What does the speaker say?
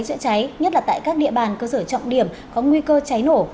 chữa cháy nhất là tại các địa bàn cơ sở trọng điểm có nguy cơ cháy nổ